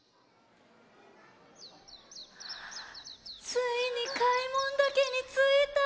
ついに開聞岳についた。